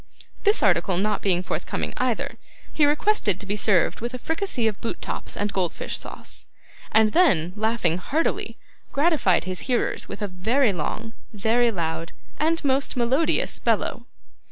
This article not being forthcoming either, he requested to be served with a fricassee of boot tops and goldfish sauce, and then laughing heartily, gratified his hearers with a very long, very loud, and most melodious bellow.